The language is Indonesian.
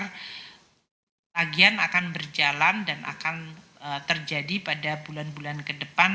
agian akan berjalan dan akan terjadi pada bulan bulan ke depan